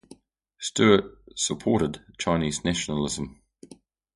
Stuart supported Chinese nationalism.